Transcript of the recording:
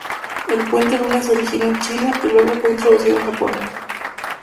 El puente luna se originó en China y luego fue introducido en Japón.